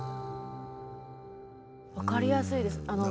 分かりやすいです。